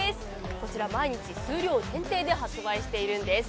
これ、毎日数量限定で発売しているんです。